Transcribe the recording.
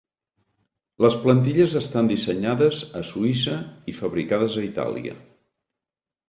Les plantilles estan dissenyades a Suïssa i fabricades a Itàlia.